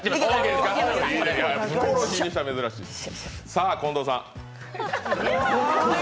さあ、近藤さん。